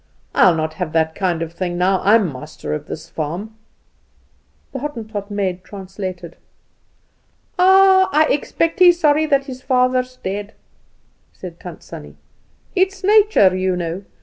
I'll not have that kind of thing now I'm master of this farm." The Hottentot maid translated. "Ah, I expect he's sorry that his father's dead," said Tant Sannie. "It's nature, you know.